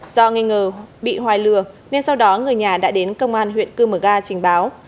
do nghi ngờ bị hoài lừa nên sau đó người nhà đã đến công an huyện cư mờ ga trình báo